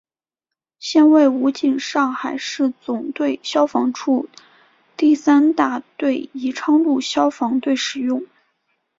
现为武警上海市总队消防处第三大队宜昌路消防队使用。